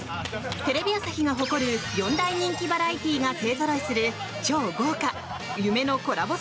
テレビ朝日が誇る４大人気バラエティーが勢ぞろいする超豪華、夢のコラボ